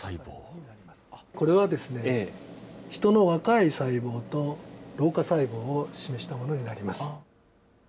これは人の若い細胞と老化細胞を示したものになります。